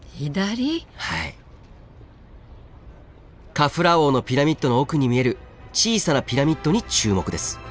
カフラー王のピラミッドの奥に見える小さなピラミッドに注目です。